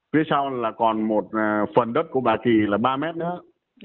phía sau là còn một phần đất của bà kỳ là ba mét nữa